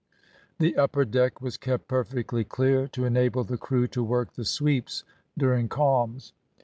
The upper deck was kept perfectly clear, to enable the crew to work the sweeps during calms.